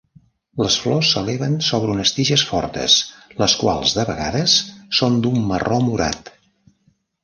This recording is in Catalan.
Les flors s'eleven sobre unes tiges fortes, les quals de vegades són d'un marró morat.